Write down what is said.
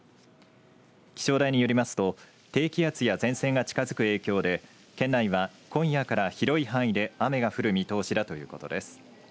気象台によりますと低気圧や前線が近づく影響で県内は今夜から広い範囲で雨が降る見通しだということです。